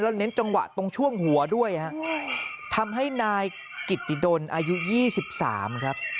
แล้วเน้นจังหวะตรงช่วงหัวด้วยฮะทำให้นายกิตติดลอายุยี่สิบสามครับ